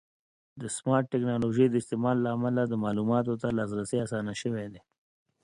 د سمارټ ټکنالوژۍ د استعمال له امله د معلوماتو ته لاسرسی اسانه شوی دی.